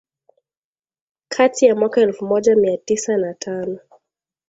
Kati ya mwaka elfu moja mia tisa na tano